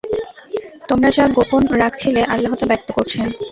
তোমরা যা গোপন রাখছিলে, আল্লাহ্ তা ব্যক্ত করছেন।